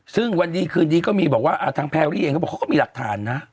ซึ่งวันดีคืนนี้ก็มีบอกว่าทางแพรรี่เองเขาบอกเขาก็มีหลักฐานนะ